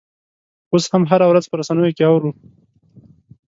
اوس هم هره ورځ په رسنیو کې اورو.